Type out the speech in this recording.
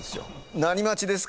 何待ちですか？